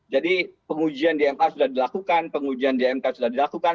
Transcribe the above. jadi pengujian dma sudah dilakukan pengujian dmk sudah dilakukan